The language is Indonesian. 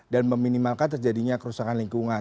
dan meminimalkan terjadinya kerusakan lingkungan